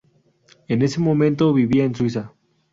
En ese momento vivía en Suiza.